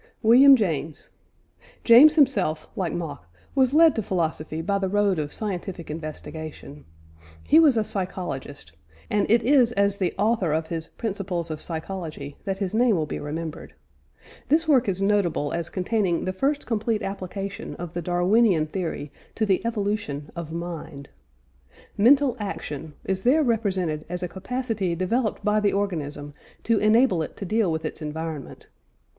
WILLIAM JAMES. James himself, like Mach, was led to philosophy by the road of scientific investigation. He was a psychologist, and it is as the author of his Principles of Psychology that his name will be remembered. This work is notable as containing the first complete application of the Darwinian theory to the evolution of mind. Mental action is there represented as a capacity developed by the organism to enable it to deal with its environment.